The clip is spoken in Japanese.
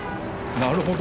なるほど。